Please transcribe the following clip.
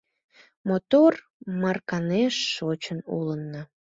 Мотор Марканеш шочын улына